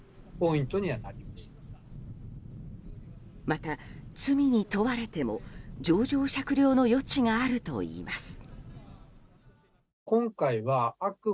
また、罪に問われても情状酌量の余地があるといいます。